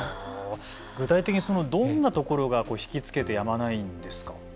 具体的にどんなところが引き付けてやまないんですか。